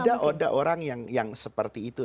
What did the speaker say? ada orang yang seperti itu